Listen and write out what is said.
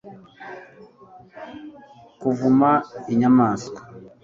kuvuma inyamaswa